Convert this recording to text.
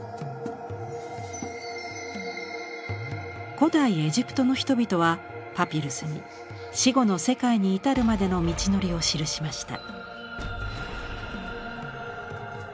古代エジプトの人々はパピルスに死後の世界に至るまでの道のりを記しました。